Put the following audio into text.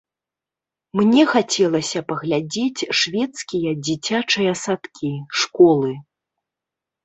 Мне хацелася паглядзець шведскія дзіцячыя садкі, школы.